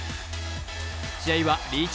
試合はリーチ